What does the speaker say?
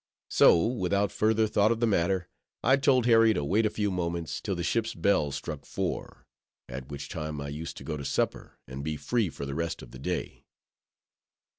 So, without further thought of the matter, I told Harry to wait a few moments, till the ship's bell struck four; at which time I used to go to supper, and be free for the rest of the day.